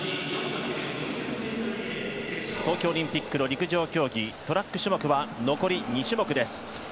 東京オリンピックの陸上競技トラック種目は残り２種目です。